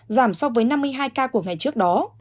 giảm so với năm mươi hai ca của ngày trước đó